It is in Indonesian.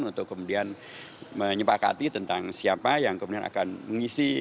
untuk kemudian menyepakati tentang siapa yang kemudian akan mengisi